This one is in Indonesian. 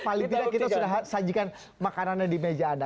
paling tidak kita sudah sajikan makanannya di meja anda